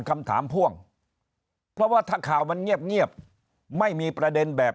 คำถามพ่วงเพราะว่าถ้าข่าวมันเงียบไม่มีประเด็นแบบ